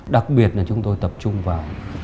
đặc biệt là chúng tôi tập trung vào